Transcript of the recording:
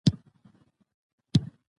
د دې ژورنال مدیران د بیلابیلو څانګو مشران دي.